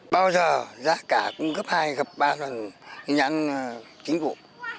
bao giờ giá cả cũng gấp hai gấp ba lần nhãn chính vụ